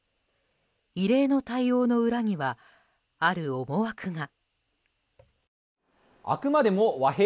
異例の対応の裏にはある思惑が。